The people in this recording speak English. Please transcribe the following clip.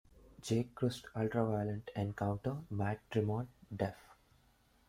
Jake Crist Ultraviolent Encounter: Matt Tremont def.